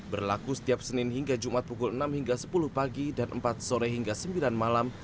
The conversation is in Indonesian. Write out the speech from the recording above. berlaku setiap senin hingga jumat pukul enam hingga sepuluh pagi dan empat sore hingga sembilan malam